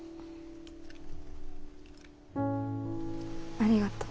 ありがとう。